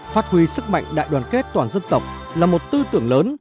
phát huy sức mạnh đại đoàn kết toàn dân tộc là một tư tưởng lớn